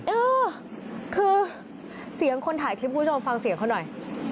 เออคือเสียงคนถ่ายคลิปกูที่ดูค่ะฟังเสียงเค้าหน่อย